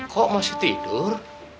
kok masih tidur